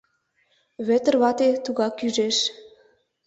Вӧдыр вате тугак ӱжеш.